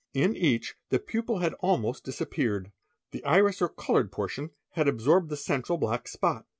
In each the pupil had almosi disappeared. The iris or coloured portion had absorbed the central blac spot.